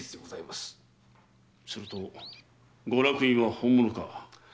するとご落胤は本物か。